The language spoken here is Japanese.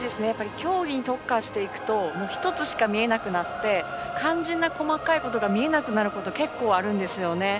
競技に特化していくと１つしか見えなくなって肝心な細かいことが見えなくなること結構あるんですよね。